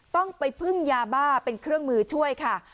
ต้องไปพึ่งยาบ้าเป็นเครื่องมือช่วยค่ะ